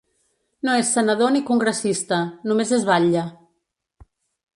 No és senador ni congressista, només és batlle.